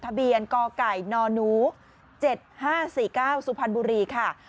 ทะเบียนกไก่นหนู๗๕๔๙สุพรรณบุรีค่ะ